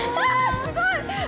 すごい。